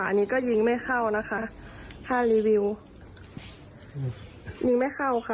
อันนี้ก็ยิงไม่เข้านะคะถ้ารีวิวยิงไม่เข้าค่ะ